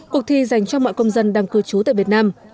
cuộc thi dành cho mọi công dân đang cư trú tại việt nam